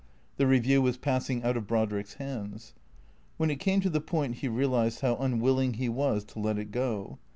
The Eeview was passing out of Brodrick's hands. When it came to the point he realized how unwilling he was to let it go.